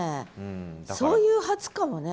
そういう初かもね。